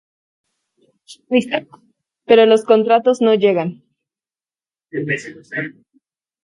Pero los contratos no llegan.